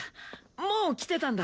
もう来てたんだ。